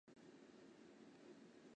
我倒是觉得重要